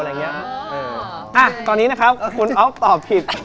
อ่ะตอนนี้นะครับคุณอ๊อคตอบผิด